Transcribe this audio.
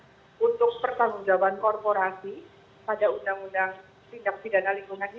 bahkan untuk pertanggungjawaban korporasi pada undang undang tindak pidana lingkungan hidup